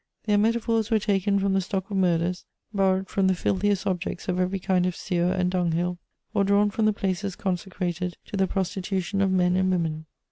Their metaphors were taken from the stock of murders, borrowed from the filthiest objects of every kind of sewer and dunghill, or drawn from the places consecrated to the prostitution of men and women.